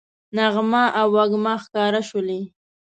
نغمه او وږمه ښکاره شولې